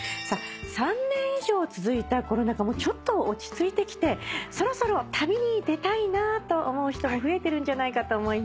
３年以上続いたコロナ禍もちょっと落ち着いてきてそろそろ旅に出たいなと思う人も増えてるんじゃないかと思います。